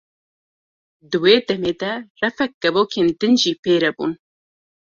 Di wê demê de refek kevokên din jî pê re bûn.